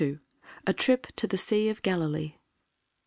A TRIP TO THE SEA OF GALILEE.